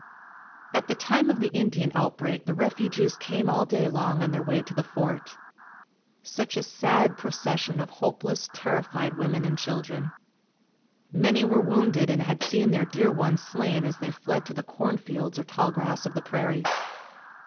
At the time of the Indian outbreak the refugees came all day long on their way to the fort. Such a sad procession of hopeless, terrified women and children. Many were wounded and had seen their dear ones slain as they fled to the corn fields or tall grass of the prairies.